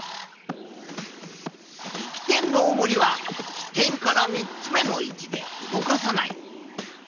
力点のおもりは支点から３つ目の位置で動かさない。